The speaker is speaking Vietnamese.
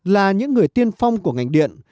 là những người tiên phong của ngành điện